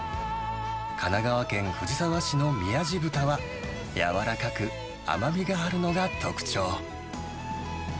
神奈川県藤沢市のみやじ豚は、柔らかく、甘みがあるのが特徴。